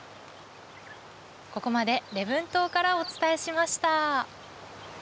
ここまで礼文島からお伝えしまし